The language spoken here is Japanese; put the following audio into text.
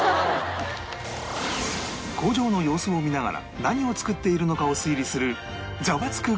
工場の様子を見ながら何を作っているのかを推理するザワつく！